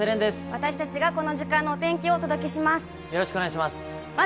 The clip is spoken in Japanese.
私たちがこの時間のお天気をお届けします。